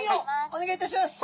お願いいたします。